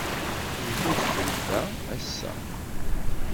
Iwet udfel da ass-a.